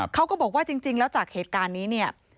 เขาก็บอกว่าจริงแล้วจากเหตุการณ์นี้เนี่ย